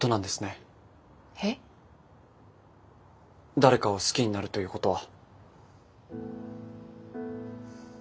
誰かを好きになるということは。